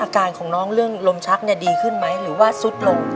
อาการของน้องเรื่องลมชักดีขึ้นไหมหรือว่าซุดลง